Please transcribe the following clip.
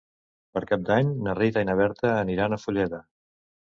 Per Cap d'Any na Rita i na Berta aniran a Fulleda.